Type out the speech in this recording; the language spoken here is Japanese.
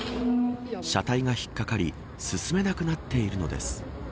車体が引っかかり進めなくなっているのです。